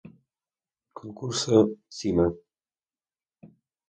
Concurso Cime.